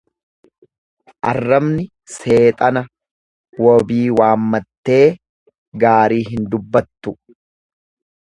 Arrabni seexana wabii waammattee gaarii hin dubbattu.